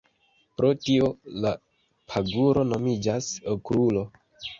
Pro tio, la paguro nomiĝas Okrulo.